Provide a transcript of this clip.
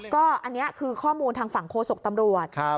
ก็อันนี้คือข้อมูลทางฝั่งโฆษกตำรวจ